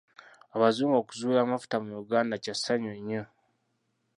Abazungu okuzuula amafuuta mu Uganda kyansanyu nnyo.